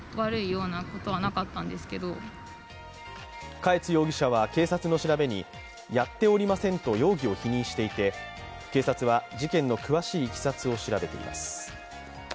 嘉悦容疑者は警察の調べにやっておりませんと容疑を否認していて警察は事件の詳しいいきさつを調べています。